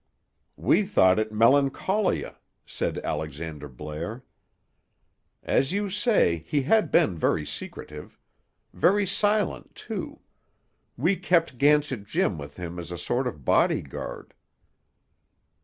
"We thought it melancholia," said Alexander Blair. "As you say, he had been very secretive. Very silent, too. We kept Gansett Jim with him as a sort of body guard."